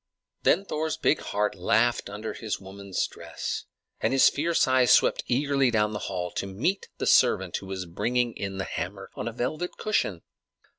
Then Thor's big heart laughed under his woman's dress, and his fierce eyes swept eagerly down the hall to meet the servant who was bringing in the hammer on a velvet cushion.